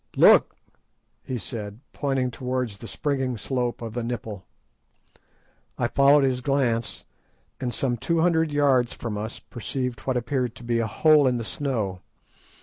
"Look!" he said, pointing towards the springing slope of the nipple. I followed his glance, and some two hundred yards from us perceived what appeared to be a hole in the snow.